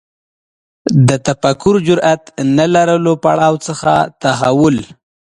د تفکر جرئت نه لرلو پړاو څخه تحول